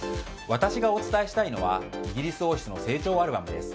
私がお伝えしたいのはイギリス王室の成長アルバムです。